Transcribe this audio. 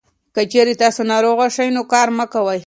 که چېرې تاسو ناروغه شئ، نو کار مه کوئ.